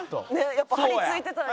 やっぱ張りついてたんや。